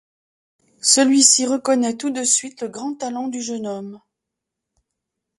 Celui-ci reconnaît tout de suite le grand talent du jeune homme.